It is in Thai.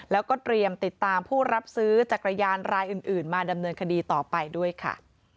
แล้วก็เตรียมติดตามผู้รับซื้อจักรยานรายอื่นมาดำเนินคดีต่อไปด้วยค่ะ